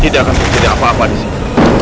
tidak akan terjadi apa apa disini